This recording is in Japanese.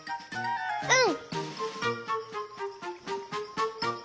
うん！